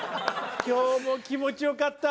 今日も気持ちよかった。